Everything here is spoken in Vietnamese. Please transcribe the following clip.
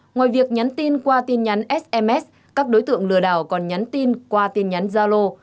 ngoài việc nhắn tin qua tin nhắn sms các đối tượng lừa đảo còn nhắn tin qua tin nhắn gia lô